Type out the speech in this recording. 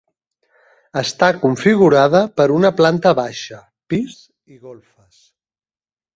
Està configurada per una planta baixa, pis i golfes.